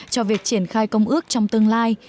cho việc triển khai công ước trong tương lai